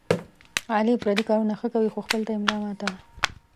علي پردي کارونه ښه کوي، خو خپل ته یې بیا ملا ماته ده.